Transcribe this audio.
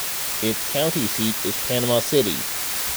Its county seat is Panama City.